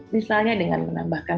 misalnya dengan menambahkan